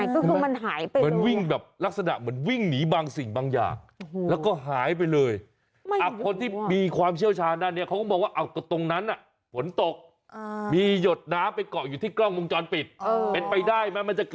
ก็นั่นไงก็คือมันหายไป